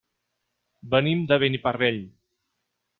Venim de Beniparrell.